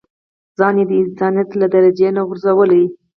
ځان يې د انسانيت له درجې نه غورځولی.